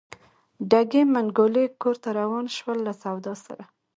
ډکې منګولې کور ته روان شول له سودا سره.